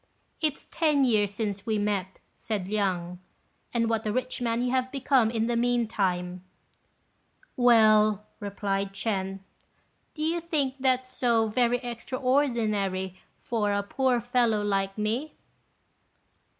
"It's ten years since we met," said Liang, "and what a rich man you have become in the meantime." "Well," replied Ch'ên, "do you think that so very extraordinary for a poor fellow like me?"